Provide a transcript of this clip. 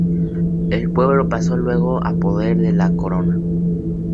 El pueblo pasó luego a poder de la Corona.